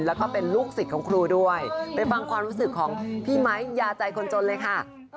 แล้วก็เป็นลูกศิษย์ของครูด้วยไปฟังความรู้สึกของพี่ไม้ยาใจคนจนเลยค่ะ